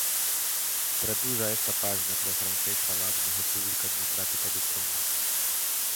Traduza esta página para o francês falado na República Democrática do Congo